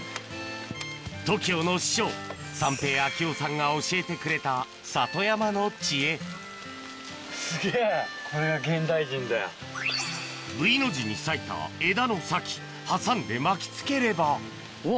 ＴＯＫＩＯの師匠三瓶明雄さんが教えてくれた里山の知恵Ｖの字に裂いた枝の先挟んで巻きつければうわ。